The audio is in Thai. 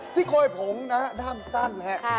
ที่โกยผงนะร่างสั้น